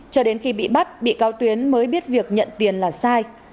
cho đến khi bị bắt bị cáo tuyến mới biết việc nhận tiền là sai